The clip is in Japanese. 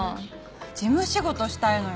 事務仕事したいのよ